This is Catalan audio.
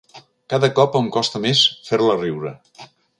Cada cop em costa més fer-la riure.